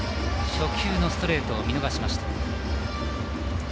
初球ストレート、見逃しました。